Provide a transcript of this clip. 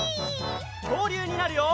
きょうりゅうになるよ！